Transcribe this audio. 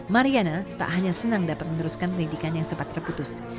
mariana tak hanya senang dapat meneruskan pendidikan yang sempat terputus